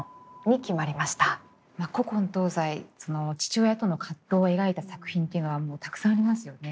古今東西父親との葛藤を描いた作品っていうのはもうたくさんありますよね。